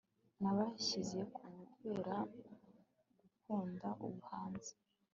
Nabashyize ku kubera gukunda ubuhanzi